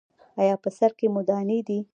ایا په سر کې مو دانې دي؟